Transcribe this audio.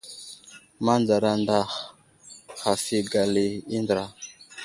Manzar anday haf i gala i andra.